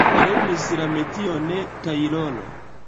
Li lernis la metion tajloro.